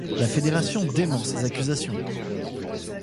La Fédération dément ces accusations.